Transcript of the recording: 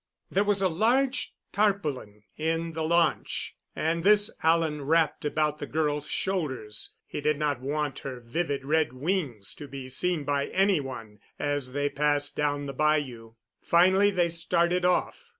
There was a large tarpaulin in the launch, and this Alan wrapped about the girl's shoulders. He did not want her vivid red wings to be seen by any one as they passed down the bayou. Finally they started off.